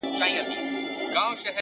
گراني ددې وطن په ورځ كي توره شپـه راځي،